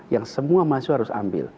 yang semua mahasiswa harus ambil